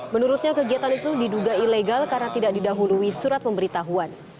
menurutnya kegiatan itu diduga ilegal karena tidak didahului surat pemberitahuan